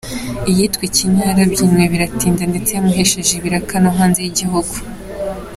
Iyitwa ‘Ikinya’ yarabyinwe biratinda ndetse yamuhesheje ibiraka no hanze y’igihugu.